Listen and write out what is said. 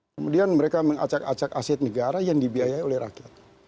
kemudian mereka mengacak acak aset negara yang dibiayai oleh rakyat